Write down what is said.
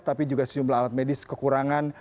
tapi juga sejumlah alat medis kekurangan